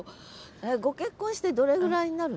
ご結婚してどれぐらいになるの？